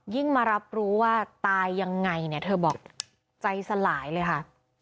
ยิ่งมารับรู้ว่าตายยังไงเธอบอกใจสลายเลยค่ะ